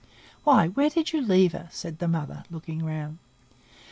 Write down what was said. "Why, where did you leave her?" said the mother, looking round.